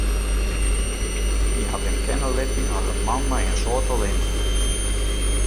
Hy hat him kenne litten as in man mei in soad talint.